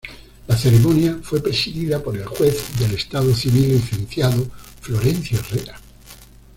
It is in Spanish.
La ceremonia fue presidida por el Juez del Estado Civil, licenciado Florencio Herrera.